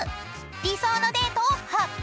理想のデートを発表！］